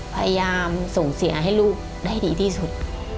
พยายามส่งเสียให้ลูกได้ดีที่สุด